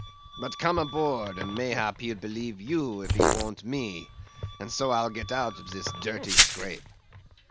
But come aboard, and mayhap he'll believe you, if he won't me; and so I'll get out of this dirty scrape."